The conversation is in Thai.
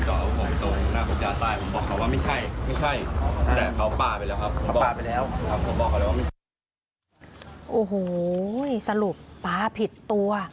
โอ้โฮเสร็จสรุปป่าผิดตัว